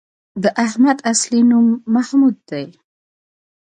د احمد اصلی نوم محمود دی